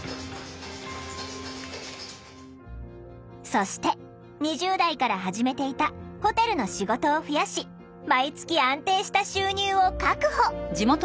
そして２０代から始めていたホテルの仕事を増やし毎月安定した収入を確保！